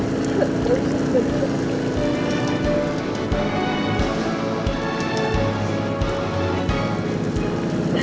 gua balik kemana